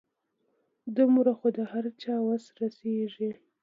دومره خو د هر چا وس رسيږي .